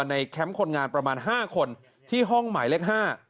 แคมป์คนงานประมาณ๕คนที่ห้องหมายเลข๕